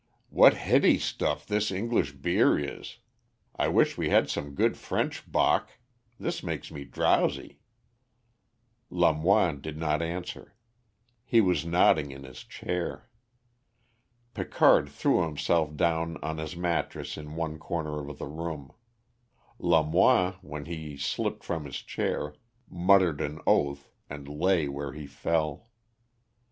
"What heady stuff this English beer is. I wish we had some good French bock; this makes me drowsy." Lamoine did not answer; he was nodding in his chair. Picard threw himself down on his mattress in one corner of the room; Lamoine, when he slipped from his chair, muttered an oath, and lay where he fell.